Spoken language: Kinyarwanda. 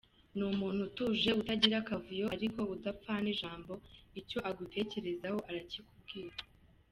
Ni umuntu utuje utagira akavuyo ariko udapfana ijambo, icyo agutekerezaho arakikubwira.